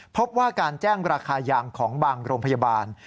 พบว่าการแจ้งราคายางของบางโรงพยาบาล